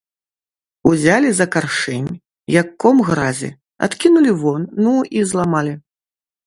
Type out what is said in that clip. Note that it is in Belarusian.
Узялі за каршэнь, як ком гразі, адкінулі вон, ну, і зламалі.